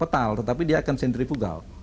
tapi dia akan sentrifugal